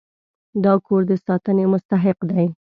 دا کور د ساتنې مستحق دی.